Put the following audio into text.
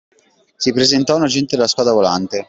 Si presentò un agente della Squadra Volante.